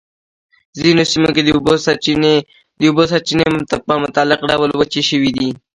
ځینو سیمو کې د اوبو سرچېنې په مطلق ډول وچې شوی دي.